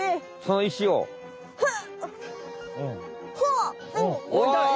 ほっ！